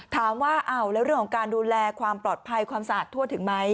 ถามว่าอ้าวแล้วเรื่องของการดูแลความปลอดภัยความสะอาดทั่วถึงไหม